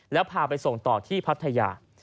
แล้วพาไปส่งต่อที่พัทยา